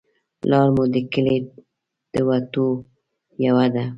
لار مو د کلي د وتو یوه ده